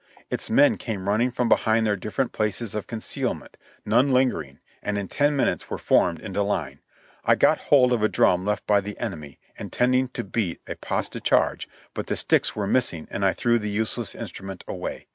Its men came running from behind their different places of concealment, none lingering, and in ten minutes were formed into line. I got hold of a drum left by the enemy, intending to beat a pas de charge, but the sticks were missing and I threw the useless instrument away.